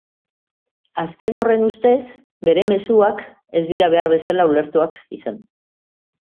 Azken horren ustez, bere mezuak ez dira behar bezala ulertuak izan.